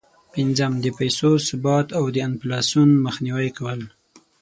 پنځم: د پیسو ثبات او د انفلاسون مخنیوی کول.